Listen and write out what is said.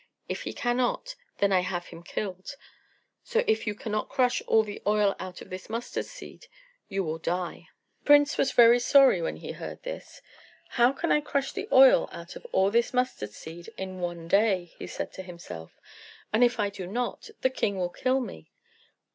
If he cannot, then I have him killed. So if you cannot crush all the oil out of this mustard seed, you will die." The prince was very sorry when he heard this. "How can I crush the oil out of all this mustard seed in one day?" he said to himself; "and if I do not, the king will kill me."